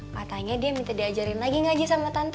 katanya dia minta diajarin lagi ngaji sama tante